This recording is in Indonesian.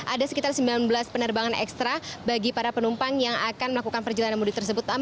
ada sekitar sembilan belas penerbangan ekstra bagi para penumpang yang akan melakukan perjalanan mudik tersebut